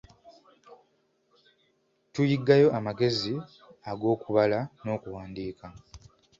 Tuyigayo amagezi ag'okubala n'okuwandiika.